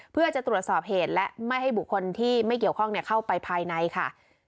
เพื่อจะตรวจสอบเหตุและไม่ให้บุคคลที่ไม่เกี่ยวข้องเข้าไปภายในค่ะ